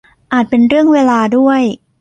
อาจเป็นเรื่องเวลาด้วย